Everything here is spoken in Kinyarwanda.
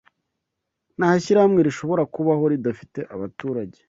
Nta shyirahamwe rishobora kubaho ridafite abaturage